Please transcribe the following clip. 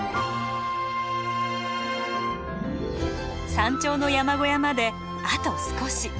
山頂の山小屋まであと少し。